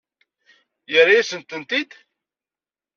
Yerra-yasen-tent-id?